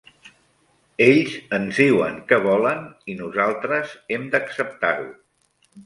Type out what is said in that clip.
Ells ens diuen què volen, i nosaltres hem d'acceptar-ho.